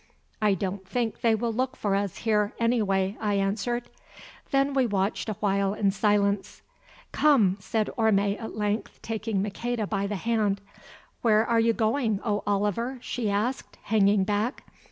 "I don't think they will look for us here, anyway," I answered. Then we watched awhile in silence. "Come," said Orme at length, taking Maqueda by the hand. "Where are you going, O Oliver?" she asked, hanging back.